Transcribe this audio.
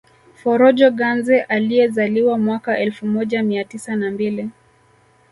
Forojo Ganze aliyezaliwa mwaka elfu moja mia tisa na mbili